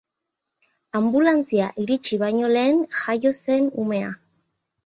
Anbulantzia iritsi baino lehen jaio zen umea.